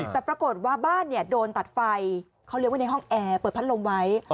แต่ปรากฏว่าบ้านโดนตัดไฟเขาเลี้ยงไว้ในห้องแอร์เปิดพัดลมไว้